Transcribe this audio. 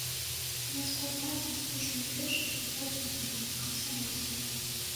Ён складаецца з вучняў першай і другой ступеняў, камсамольцаў.